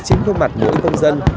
trên khuôn mặt mỗi công dân